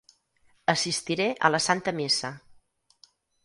Assistiré a la santa missa.